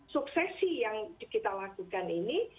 suksesi yang kita lakukan ini